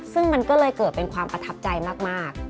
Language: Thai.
ซึ่งมันก็เลยเกิดเป็นความประทับใจมาก